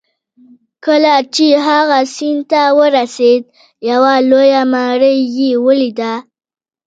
کله چې هغه سیند ته ورسید یوه لویه ماڼۍ یې ولیده.